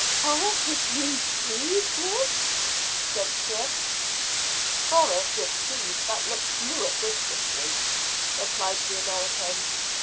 "Forests with blue trees, Griggs?" said Chris. "Forests with trees that look blue at this distance," replied the American.